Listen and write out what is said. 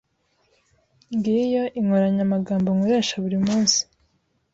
Ngiyo inkoranyamagambo nkoresha buri munsi.